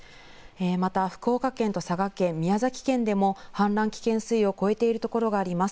また福岡県と佐賀県、宮崎県でも氾濫危険水位を超えているところがあります。